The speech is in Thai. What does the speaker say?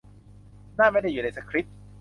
นั่นไม่ได้อยู่ในสคริปต์